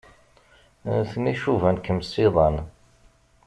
Nutni cuban-kem s iḍan.